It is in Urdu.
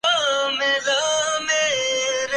محنت کرو تا کہ کامیاب ہو سکو